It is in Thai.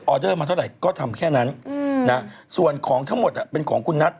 เดอร์มาเท่าไหร่ก็ทำแค่นั้นส่วนของทั้งหมดเป็นของคุณนัท